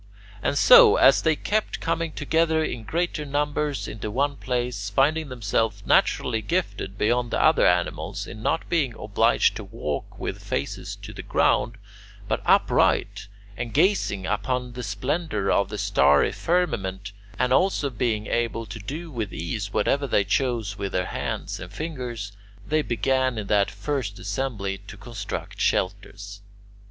And so, as they kept coming together in greater numbers into one place, finding themselves naturally gifted beyond the other animals in not being obliged to walk with faces to the ground, but upright and gazing upon the splendour of the starry firmament, and also in being able to do with ease whatever they chose with their hands and fingers, they began in that first assembly to construct shelters.